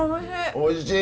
おいしい。